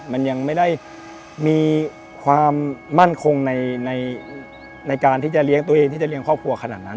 มันยังไม่ได้มีความมั่นคงในการที่จะเลี้ยงตัวเองที่จะเลี้ยงครอบครัวขนาดนั้น